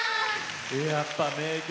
やっぱ名曲。